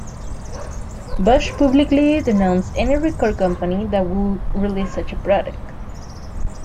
Bush publicly denounced any record company that would release such a product.